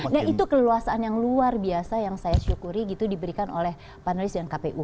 nah itu keleluasan yang luar biasa yang saya syukuri gitu diberikan oleh panelis dan kpu